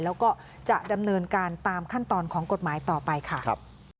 แล้วก็จะดำเนินการตามขั้นตอนของกฎหมายต่อไปค่ะ